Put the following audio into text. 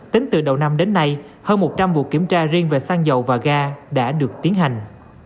tính từ đầu năm đến nay hơn một trăm linh vụ kiểm tra riêng về xăng dầu và ga đã được tiến hành